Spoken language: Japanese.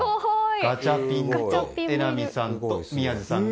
ガチャピンと榎並さんと宮司さんが。